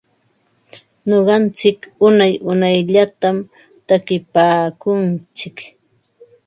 Nuqantsik unay unayllatam takinpaakuntsik.